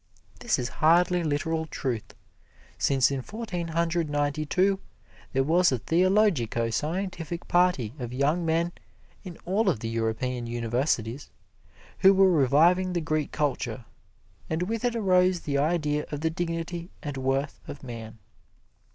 This is hardly literal truth, since in Fourteen Hundred Ninety two, there was a theologico scientific party of young men in all of the European Universities who were reviving the Greek culture, and with it arose the idea of the dignity and worth of Man.